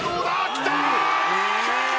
きた！